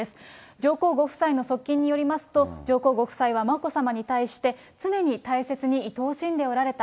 上皇ご夫妻の側近によりますと、上皇ご夫妻は眞子さまに対して、常に大切にいとおしんでおられた。